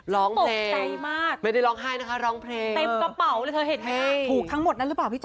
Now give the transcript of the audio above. ร้องเพลงใจมากไม่ได้ร้องไห้นะคะร้องเพลงเต็มกระเป๋าเลยเธอเห็นเพลงถูกทั้งหมดนั้นหรือเปล่าพี่แจ